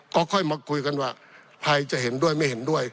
ก็ค่อยมาคุยกันว่าใครจะเห็นด้วยไม่เห็นด้วย